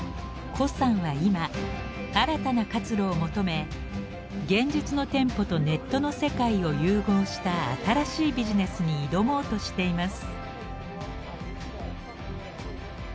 胡さんは今新たな活路を求め現実の店舗とネットの世界を融合した新しいビジネスに挑もうとしています。